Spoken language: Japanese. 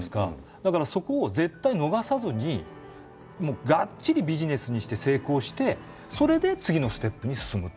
だからそこを絶対逃さずにがっちりビジネスにして成功してそれで次のステップに進む。